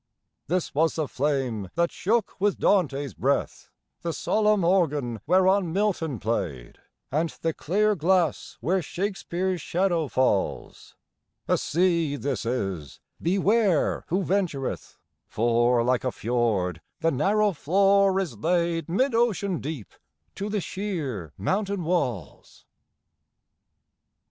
This was the flame that shook with Dante's breath ; The solenm organ whereon Milton played, And the clear glass where Shakespeare's shadow falls : A sea this is — beware who ventureth I For like a fjord the narrow floor b laid Mid ocean deep to the sheer mountain walls.